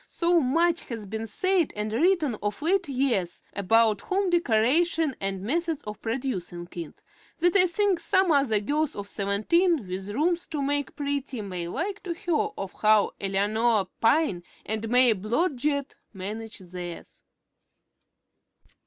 So much has been said and written of late years about home decoration and the methods of producing it, that I think some other girls of seventeen with rooms to make pretty may like to hear of how Eleanor Pyne and May Blodgett managed theirs.